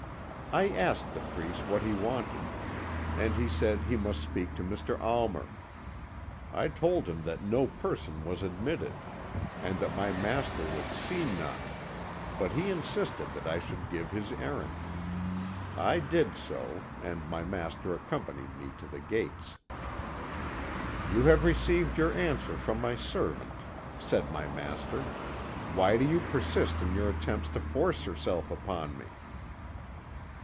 I asked the priest what he wanted, and he said he must speak to Mr. Almer. I told him that no person was admitted, and that my master would see none, but he insisted that I should give his errand. I did so, and my master accompanied me to the gates. "'You have received your answer from my servant,' said my master. 'Why do you persist in your attempts to force yourself upon me?'